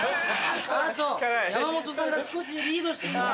あっと山本さんが少しリードしているか？